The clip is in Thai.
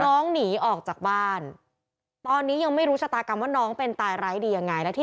น้องหนีออกจากบ้านตอนนี้ยังไม่รู้ชะตากรรมว่าน้องเป็นตายร้ายดียังไงนะที่